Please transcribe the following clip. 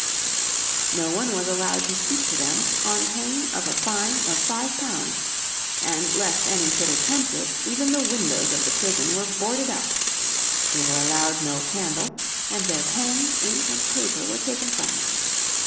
No one was allowed to speak to them on pain of a fine of £5, and lest any should attempt it even the windows of the prison were boarded up. They were allowed no candle, and their pens, ink, and paper were taken from them.